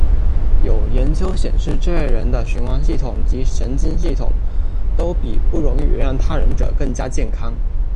有研究显示这类人的循环系统及神经系统都比不容易原谅他人者更加健康。